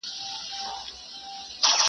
چي هر پل یې د مجنون دی نازوه مي -